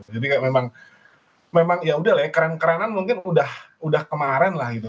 jadi kayak memang yaudah lah ya keren kerenan mungkin udah kemarin lah gitu